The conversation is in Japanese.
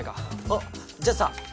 あっじゃあさ